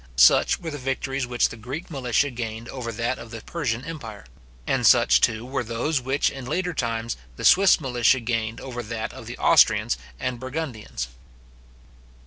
Such were the victories which the Greek militia gained over that of the Persian empire; and such, too, were those which, in later times, the Swiss militia gained over that of the Austrians and Burgundians.